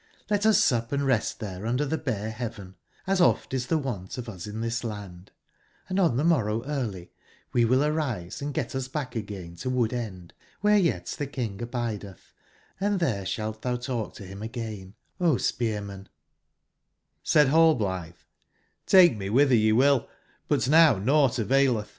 Let us sup and rest tbere under tbe bare bea ven, asof t is tbe wont of us in tbis land; andon tbe morrow early we will arise and get us back again to QKood/end, wbere yet tbe King abide tb, & tbere sbalt tbou talk to bim again, O Spearman ''j^Said Rall blitbei ''^akc me wbitber ye will; but now nougbt availetb.